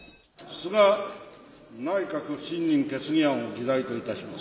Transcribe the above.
菅内閣不信任決議案を議題といたします。